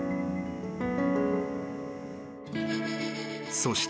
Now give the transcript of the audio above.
［そして］